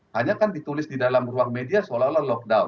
hanya kan ditulis di dalam ruang media seolah olah lockdown